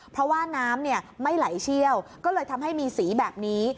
เพราะว่าน้ำไม่ไหลเชี่ยวก็เลยทำให้มีสีแบบนี้